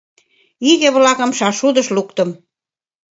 Иге-влакым шаршудыш луктым.